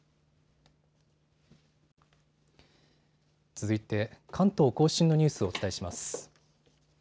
続いて関東甲信のニュースをお伝えします。